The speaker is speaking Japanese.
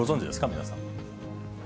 皆さん。